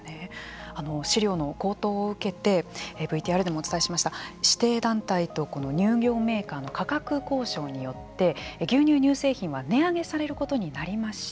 飼料の高騰を受けてＶＴＲでもお伝えしました指定団体とこの乳業メーカーの価格交渉によって牛乳、乳製品は値上げされることになりました。